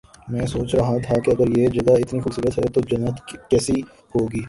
میں سوچ رہا تھا کہ اگر یہ جگہ اتنی خوب صورت ہے تو جنت کیسی ہو گی